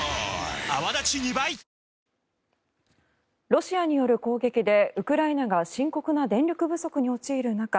ロシアによる攻撃でウクライナが深刻な電力不足に陥る中